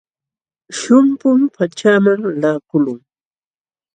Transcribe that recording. Shumpum pachaaman laqakulqun.